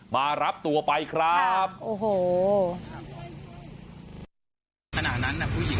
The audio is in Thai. มารับตัวไปครับโอ้โห